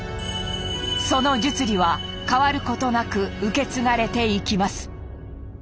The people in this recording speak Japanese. その術理は変わることなく受け継がれていきます。